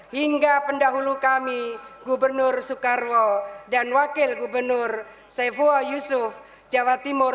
hingga pendahulu kami gubernur soekarwo dan wakil gubernur saifua yusuf jawa timur